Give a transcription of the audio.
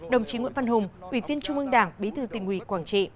đồng chí nguyễn văn hùng ủy viên trung ương đảng bí thư tỉnh ủy quảng trị